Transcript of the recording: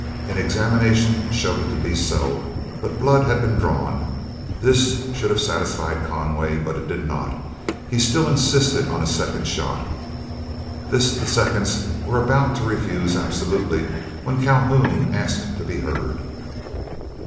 An examination showed it to be so, but blood had been drawn. This should have satisfied Conway, but it did not; he still insisted on a second shot. This the seconds were about to refuse absolutely, when Calhoun asked to be heard.